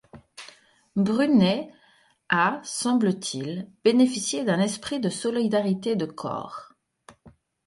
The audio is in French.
Brunet a, semble-t-il, bénéficié d’un esprit de solidarité de corps.